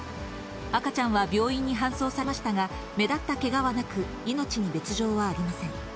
赤ちゃんは病院に搬送されましたが、目立ったけがはなく、命に別状はありません。